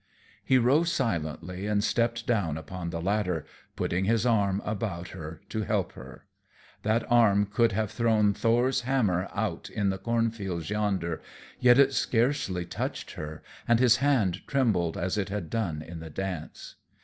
He rose silently and stepped down upon the ladder, putting his arm about her to help her. That arm could have thrown Thor's hammer out in the cornfields yonder, yet it scarcely touched her, and his hand trembled as it had done in the dance.